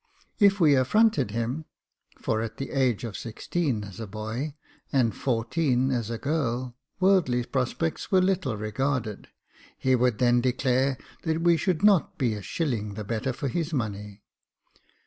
If we affronted him, for at the age of sixteen as a boy, and fourteen as a girl, worldly prospects were little regarded, he would then declare that we should not be a shilling the better for his money.